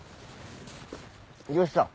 どうした？